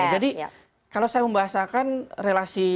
jadi kalau saya membahasakan relasi